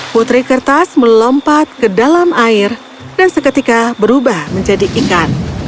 putri kertas melompat ke dalam air dan seketika berubah menjadi ikan